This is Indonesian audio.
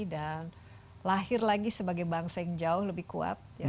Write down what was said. dan lahir lagi sebagai bangsa yang jauh lebih kuat